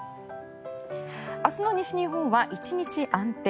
明日の西日本は１日安定。